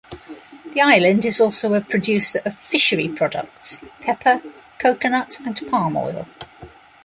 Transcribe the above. The island is also a producer of fishery products, pepper, coconut, and palm oil.